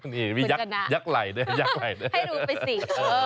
มียักษ์ไหล่ด้วยให้ดูไปสิเออ